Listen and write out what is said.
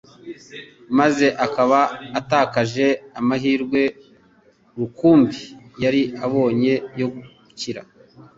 maze akaba atakaje amahirwe rukumbi yari abonye yo gukira